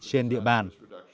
trên địa bàn